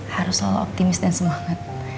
harus selalu optimis dan semangat